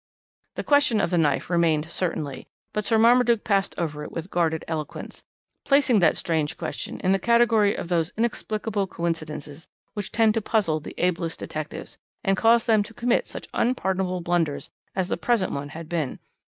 "The question of the knife remained certainly, but Sir Marmaduke passed over it with guarded eloquence, placing that strange question in the category of those inexplicable coincidences which tend to puzzle the ablest detectives, and cause them to commit such unpardonable blunders as the present one had been.